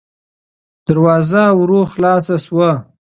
دروازه ورو خلاصه شوه.